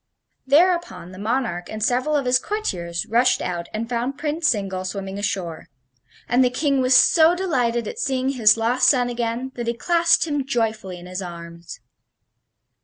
Thereupon the monarch and several of his courtiers rushed out and found Prince Zingle swimming ashore; and the King was so delighted at seeing his lost son again that he clasped him joyfully in his arms.